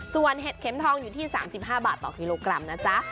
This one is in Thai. ส่วนเห็ดเข็มทองอยู่ที่๓๕บาทต่อกิโลกรัมนะจ๊ะ